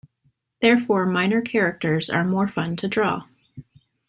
Therefore, minor characters are more fun to draw.